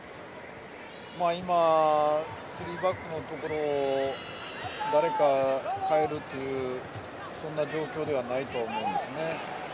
今、３バックのところを誰か代えるというそんな状況ではないと思うんですよね。